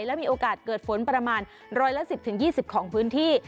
และมีโอกาสเกิดฝนประมาณ๑๑๐๒๐ของพื้นที่